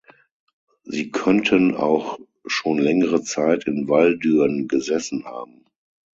Sie könnten auch schon längere Zeit in Walldürn gesessen haben.